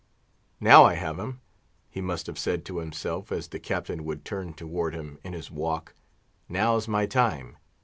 "Now I have him!" he must have said to himself, as the Captain would turn toward him in his walk; "now's my time!"